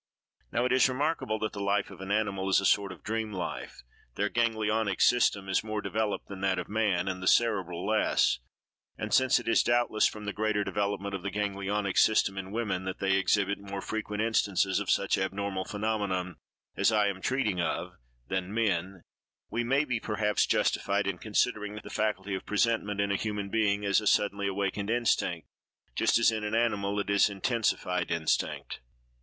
Now, it is remarkable, that the life of an animal is a sort of dream life; their ganglionic system is more developed than that of man, and the cerebral less; and since it is, doubtless, from the greater development of the ganglionic system in women that they exhibit more frequent instances of such abnormal phenomena as I am treating of, than men, we may be, perhaps, justified in considering the faculty of presentiment in a human being as a suddenly awakened instinct; just as in an animal it is an intensified instinct.